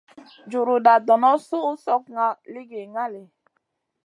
Juruda dono suh slokŋa ligi ŋali.